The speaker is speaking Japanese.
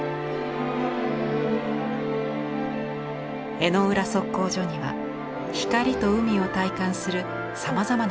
江之浦測候所には光と海を体感するさまざまな仕掛けがあります。